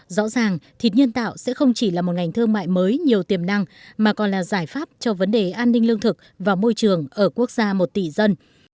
rõ ràng thịt nhân tạo sẽ không chỉ là một ngành thương mại mới nhiều tiềm năng mà còn là giải pháp cho vấn đề an ninh lương thực và môi trường ở quốc gia một tỷ dân